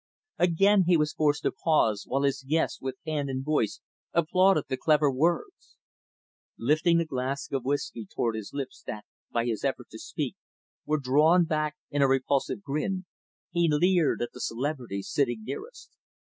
Again he was forced to pause, while his guests, with hand and voice, applauded the clever words. Lifting the glass of whisky toward his lips that, by his effort to speak, were drawn back in a repulsive grin, he leered at the celebrities sitting nearest.